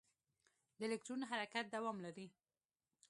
د الکترون حرکت دوام لري.